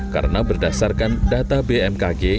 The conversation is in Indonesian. karena berdasarkan data bmkg